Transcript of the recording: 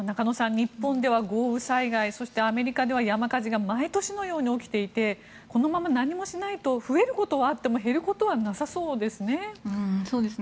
日本では豪雨災害そして、アメリカでは山火事が毎年のように起きていてこのまま何もしないと増えることはあっても減ることはなさそうですね。